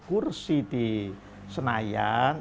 kursi di senayan